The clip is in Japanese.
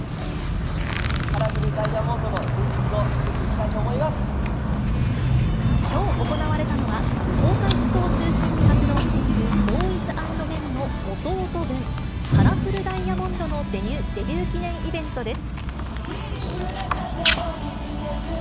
カラフルダイヤモンドの伝説きょう行われたのは、東海地区を中心に活動している、ボーイズ・アンド・メンの弟分、カラフルダイヤモンドのデビュー記念イベントです。